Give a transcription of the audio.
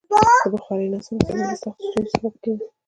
د بخارۍ ناسم استعمال د سختو ستونزو سبب کېږي.